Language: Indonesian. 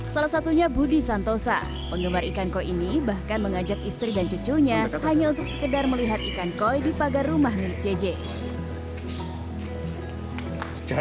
salah satunya budi santosa penggemar ikan koi ini bahkan mengajak istri dan cucunya hanya untuk sekedar melihat ikan koi di pagar rumah milik jj